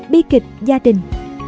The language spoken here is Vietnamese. bi kịch gia đình